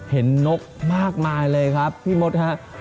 เห็นนกมากมายเลยครับพี่มศครับ